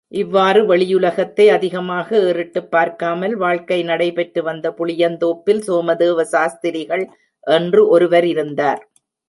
இவ்வாறு வெளியுலகத்தை அதிகமாக ஏறிட்டுப் பார்க்காமல் வாழ்க்கை நடைபெற்று வந்த புளியந்தோப்பில், சோமதேவ சாஸ்திரிகள் என்று ஒருவர் இருந்தார்.